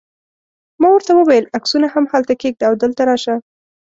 ما ورته وویل: عکسونه هلته کښېږده او دلته راشه.